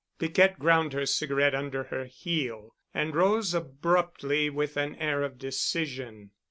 Piquette ground her cigarette under her heel and rose abruptly with an air of decision.